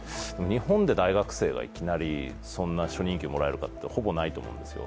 日本で大学生がいきなりそんな初任給もらえるかっていうとほぼないと思うんですよ。